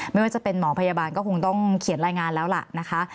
ไม่ว่าจะเป็นหมอพยาบาลก็คงต้องเขียนรายงานแล้วล่ะนะคะ